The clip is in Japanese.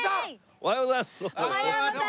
おはようございます。